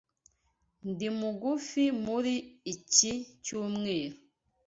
Ndi mugufi muri iki cyumweru.